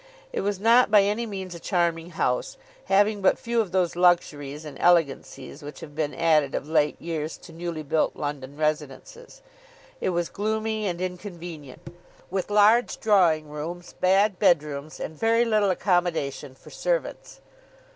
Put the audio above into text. It was not by any means a charming house, having but few of those luxuries and elegancies which have been added of late years to newly built London residences. It was gloomy and inconvenient, with large drawing rooms, bad bedrooms, and very little accommodation for servants.